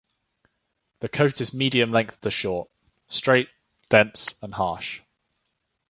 The coat is medium length to short, straight, dense and harsh.